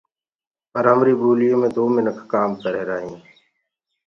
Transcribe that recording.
پر همري ٻوليو مي دوئي گھآݪينٚ هينٚ۔